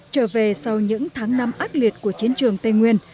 trở về sau những tháng năm ác liệt của chiến trường tây nguyên